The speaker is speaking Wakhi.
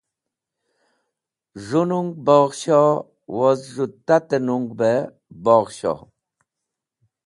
Z̃hũ nung Boghsho woz z̃hũ tat-e nung be Boghsho.